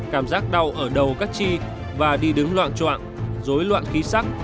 cảm giác đau ở đầu các chi và đi đứng loạn trọng rối loạn khí sắc